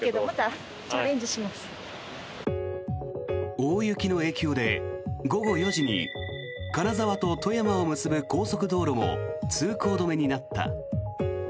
大雪の影響で午後４時に金沢と富山を結ぶ高速道路も通行止めになった。